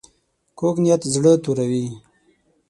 کوږ نیت زړه توروي